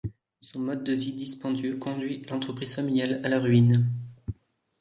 Son mode de vie dispendieux conduit l'entreprise familiale à la ruine.